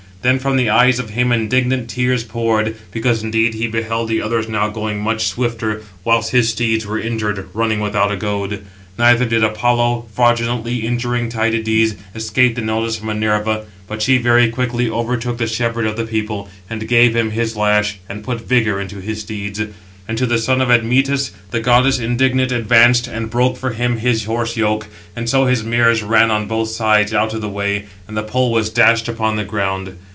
Then from the eyes of him indignant tears poured, because indeed he beheld the others now going much swifter, whilst his [steeds] were injured, running without a goad. Neither did Apollo, fraudulently injuring Tydides, escape the notice of Minerva, but she very quickly overtook the shepherd of the people, and gave him his lash, and put vigour into his steeds. And to the son of Admetus, the goddess, indignant, advanced, and broke for him his horse yoke; and so his mares ran on both sides out of the way, and the pole was dashed upon the ground.